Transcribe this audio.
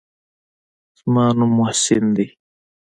زما نوم محسن دى.